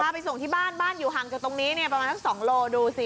ปลาไปส่งที่บ้านบ้านอยู่ห่างตรงนี้เนี่ยประมาณสองโลดูสิ